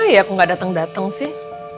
ya aku gak dateng dateng sih